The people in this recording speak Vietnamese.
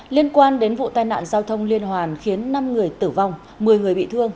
liên quan đến vụ tai nạn giao thông liên hoàn khiến năm người tử vong một mươi người bị thương